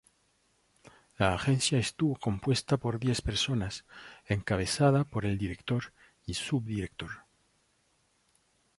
La agencia estuvo compuesta por diez personas, encabezada por el director y subdirector.